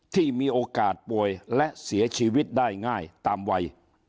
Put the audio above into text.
ที่มีโอกาสป่วยและเสียชีวิตได้ง่ายตามวัย